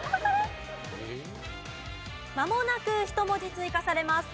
まもなく１文字追加されます。